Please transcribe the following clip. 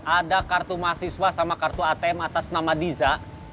ada kartu mahasiswa sama kartu atm atas nama diza